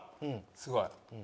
すごい？